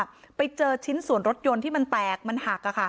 ไปเจอชิ้นส่วนรถยนต์ที่มันแตกมันหัก